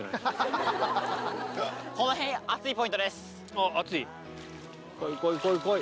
・あっ熱い。